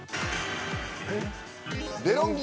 「デロンギ」？